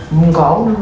bụng cổ nữa